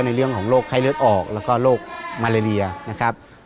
ในเรื่องของโรคไข้เลือดออกแล้วก็โรคมาเลเรียนะครับ